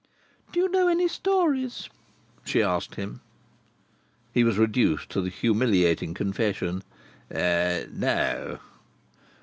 "Do you know any stories?" she asked him. He was reduced to the humiliating confession: "No."